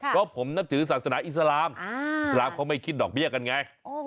เพราะผมนับถือศาสนาอิสลามอิสลามเขาไม่คิดดอกเบี้ยกันไง